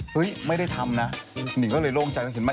ปฏิเสธสองปีรอนวงอายา